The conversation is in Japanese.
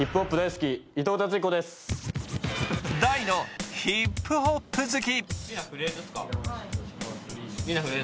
大のヒップホップ好き。